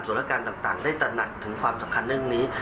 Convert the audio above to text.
ส่วนการต่างได้ตระหนักถึงความสำคัญเรื่องนี้